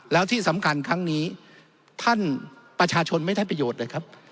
แล้วที่สำคัญครั้งนี้ท่านประชาชนไม่ได้ประโยชน์เลยครับ